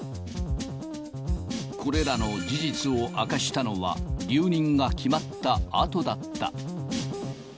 これらの事実を明かしたのは、留任が決まったあとだった。